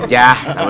udah biarin aja